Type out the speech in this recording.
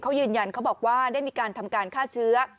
เขายืนยันเขาบอกว่าได้มีการทำการฆ่าเชื้อ